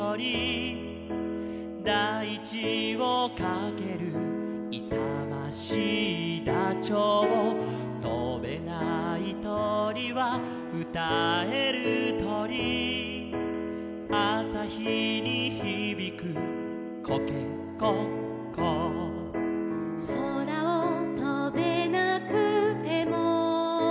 「だいちをかける」「いさましいダチョウ」「とべないとりはうたえるとり」「あさひにひびくコケコッコー」「そらをとべなくても」